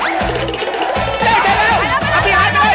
โอ้โหเร็วมาก